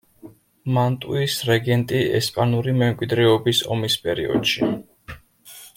მანტუის რეგენტი ესპანური მემკვიდრეობის ომის პერიოდში.